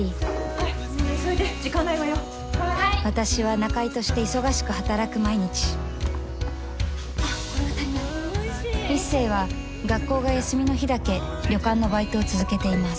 はい私は仲居として忙しく働く毎日あっこれが足りない壱成は学校が休みの日だけ旅館のバイトを続けています